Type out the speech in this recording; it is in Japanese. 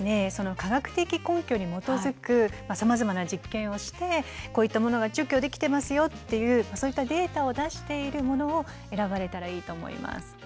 科学的根拠に基づくさまざまな実験をしてこういったものが除去できてますよっていうそういったデータを出しているものを選ばれたらいいと思います。